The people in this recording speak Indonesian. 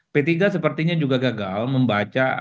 p tiga sepertinya juga gagal membaca